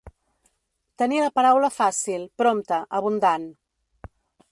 Tenir la paraula fàcil, prompta, abundant.